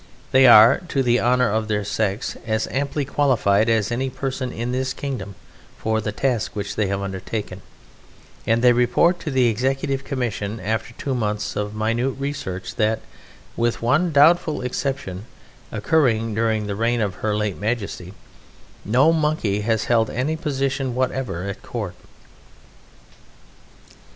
They are (to the honour of their sex) as amply qualified as any person in this kingdom for the task which they have undertaken, and they report to the Executive Commission after two months of minute research that (with one doubtful exception occurring during the reign of Her late Majesty) no Monkey has held any position whatever at Court.